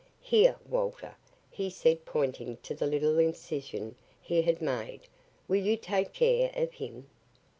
"Here, Walter," he said pointing to the little incision he had made. "Will you take care of him?"